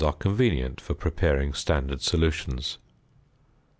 28) are convenient for preparing standard solutions.